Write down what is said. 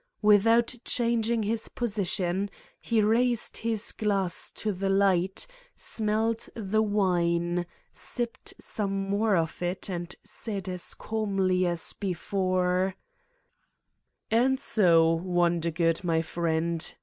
Without changing his position, he raised his glass to the light, smelled the wine, sipped some more of it and said as calmly as before : "And so, Wondergood, my friend.